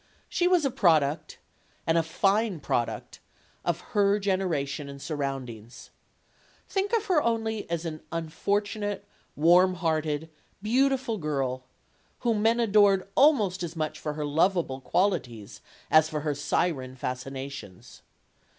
She was a product and a fine product of her generation and surround ings. Think of her only as an unfortunate, warm PEG WOFFINGTON 61 hearted, beautiful girl, whom men adored almost as much for her lovable qualities as for her siren fascina tions.